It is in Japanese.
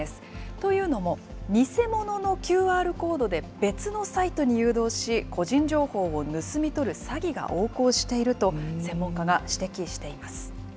というのも、偽物のＱＲコードで別のサイトに誘導し、個人情報を盗み取る詐欺が横行していると、専門家が指摘しています。